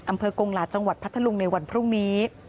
กงหลาจังหวัดพัทธลุงในวันพรุ่งนี้